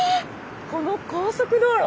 この高速道路！